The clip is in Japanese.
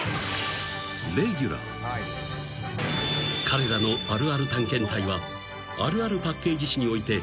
［彼らのあるある探検隊はあるあるパッケージ史において］